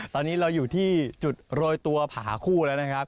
ตอนนี้เราอยู่ที่จุดโรยตัวผาคู่แล้วนะครับ